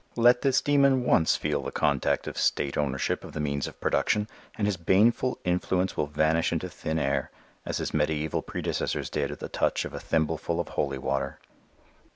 Let this demon once feel the contact of state ownership of the means of production and his baneful influence will vanish into thin air as his mediæval predecessors did at the touch of a thimbleful of holy water.